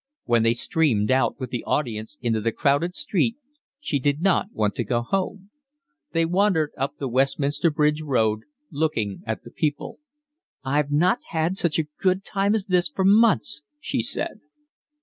When they streamed out with the audience into the crowded street she did not want to go home; they wandered up the Westminster Bridge Road, looking at the people. "I've not had such a good time as this for months," she said.